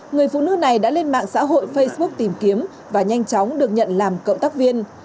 người phụ nữ này đã lên mạng xã hội facebook tìm kiếm và nhanh chóng được nhận làm cộng tác viên